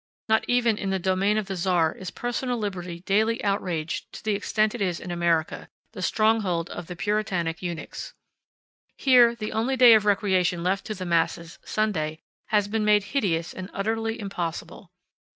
Not even in the domain of the Tsar is personal liberty daily outraged to the extent it is in America, the stronghold of the Puritanic eunuchs. Here the only day of recreation left to the masses, Sunday, has been made hideous and utterly impossible.